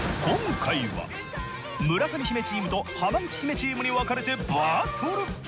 今回は村上姫チームと浜口姫チームに分かれてバトル。